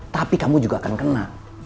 tapi kamu juga akan kena